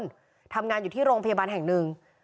ทำงานอยู่ที่โรงพยาบาลแห่งหนึ่ง